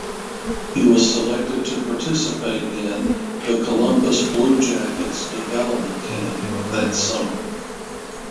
He was selected to participate in the Columbus Blue Jackets Development Camp that summer.